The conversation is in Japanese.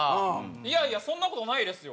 いやいやそんな事ないですよ。